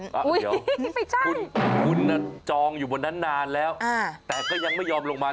อุ๊ยเดี๋ยวไม่ใช่คุณน่ะจองอยู่บนนั้นนานแล้วแต่ก็ยังไม่ยอมลงมา